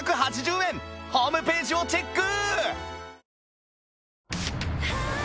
ホームページをチェック！